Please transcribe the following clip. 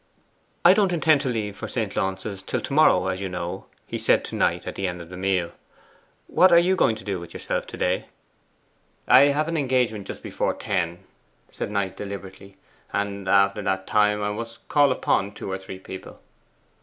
'I don't intend to leave for St. Launce's till to morrow, as you know,' he said to Knight at the end of the meal. 'What are you going to do with yourself to day?' 'I have an engagement just before ten,' said Knight deliberately; 'and after that time I must call upon two or three people.